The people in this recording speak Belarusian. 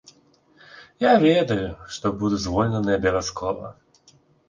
Я ведаю, што буду звольнены абавязкова.